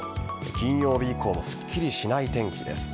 金曜日以降もすっきりしない天気です。